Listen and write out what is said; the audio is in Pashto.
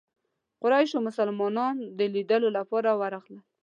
قریشو مشران د لیدلو لپاره راغلل.